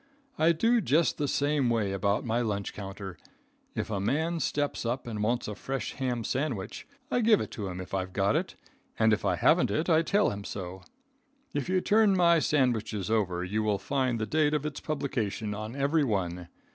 I do just the same way about my lunch counter. If a man steps up and wants a fresh ham sandwich I give it to him if I've got it, and if I haven't it I tell him so. If you turn my sandwiches over, you will find the date of its publication on every one.